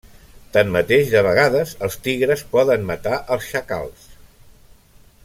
Tanmateix de vegades els tigres poden matar els xacals.